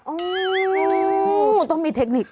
โอ้โหต้องมีเทคนิค